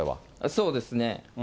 そうですね。